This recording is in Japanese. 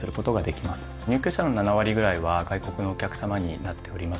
入居者の７割ぐらいは外国のお客さまになっております。